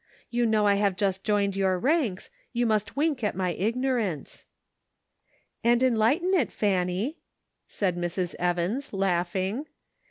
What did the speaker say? You know I have just joined your ranks ; you must wink at my ignorance." "And enlighten it, Fanny," said Mrs. Evans, laughing.